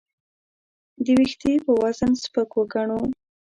د وېښتې په وزن سپک وګڼلو.